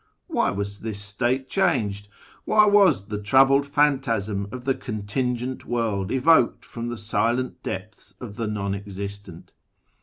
Why w^as this state changed ? Why was the troubled phantasm of the Contingent World evoked from the silent depths of the Non Existent